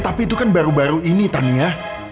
tapi itu kan baru baru ini tania